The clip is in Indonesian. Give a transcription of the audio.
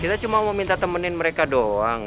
kita cuma mau minta temenin mereka doang